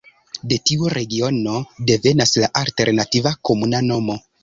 De tiu regiono devenas la alternativa komuna nomo.